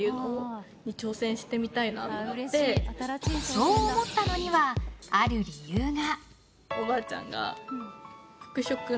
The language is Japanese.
そう思ったのには、ある理由が。